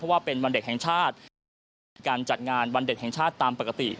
ว่าเป็นวันเด็กแห่งชาติมีการจัดงานวันเด็กแห่งชาติตามปกติ